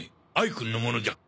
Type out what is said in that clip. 君のものじゃ！